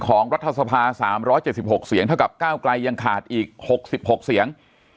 รัฐสภา๓๗๖เสียงเท่ากับก้าวไกลยังขาดอีก๖๖เสียง